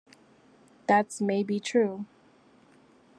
That's maybe true.